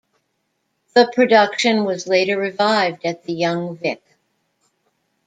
The production was later revived at the Young Vic.